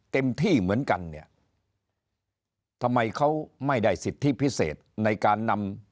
เต็มที่เหมือนกันเนี่ยทำไมเขาไม่ได้สิทธิพิเศษในการนำ